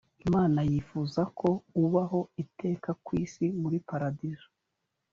imana yifuza ko ubaho iteka ku isi muri paradizo .